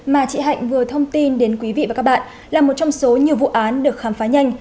mà chị hạnh vừa thông tin đến quý vị và các bạn là một trong số nhiều vụ án được khám phá nhanh